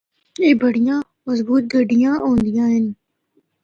اے بڑیاں مضبوط گڈیاں ہوندیاں ہن۔